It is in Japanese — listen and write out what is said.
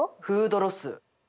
フードロス？